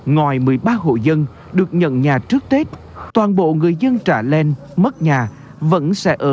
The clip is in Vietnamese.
ngoài một mươi ba hộ dân được nhận nhà trước tết toàn bộ người dân trả lên mất nhà vẫn sẽ ở